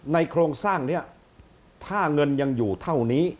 โครงสร้างนี้ถ้าเงินยังอยู่เท่านี้